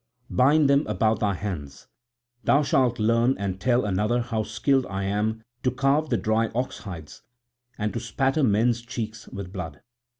Bind them about thy hands; thou shalt learn and tell another how skilled I am to carve the dry oxhides and to spatter men's cheeks with blood."